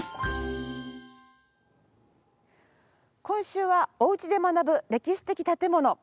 今週はおうちで学ぶ歴史的建物。